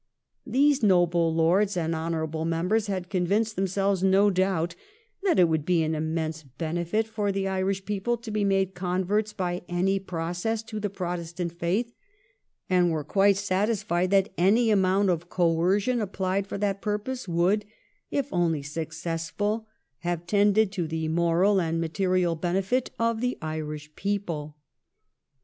These noble 1703 THE PROPOSED UNION. 213 lords and honourable members had convinced themselves, no doubt, that it would be an immense benefit for the Irish people to be made converts by any process to the Protestant faith, and were quite satisfied that any amount of coercion apphed for that purpose would, if only successful, have tended to the moral and material benefit of the Irish people.